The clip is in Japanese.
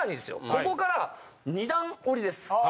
ここから二段折りです！